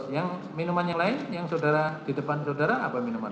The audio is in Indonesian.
yang minuman yang lain yang saudara di depan saudara apa minuman